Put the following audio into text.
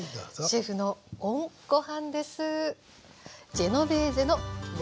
シェフのＯＮごはんです。